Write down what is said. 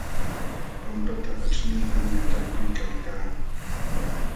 Pampata aćhmiykulmi talpuykalkaa.